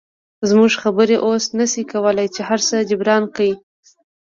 زموږ خبرې اوس نشي کولی چې هرڅه جبران کړي